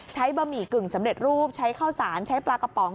บะหมี่กึ่งสำเร็จรูปใช้ข้าวสารใช้ปลากระป๋อง